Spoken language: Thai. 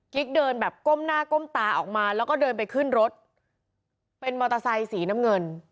เดินแบบก้มหน้าก้มตาออกมาแล้วก็เดินไปขึ้นรถเป็นมอเตอร์ไซค์สีน้ำเงิน